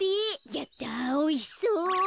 やったおいしそう。